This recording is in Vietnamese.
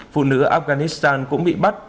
phụ nữ afghanistan cũng bị bắt